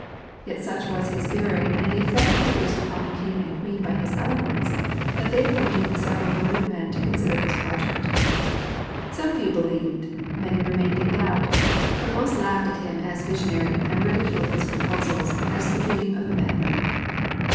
Yet such was his bearing and the effect produced upon the king and queen by his eloquence that they ap pointed several learned men to consider his project. Some few believed, many remained in doubt, but most laughed at him as visionary and ridiculed his proposals as the dream of a mad man.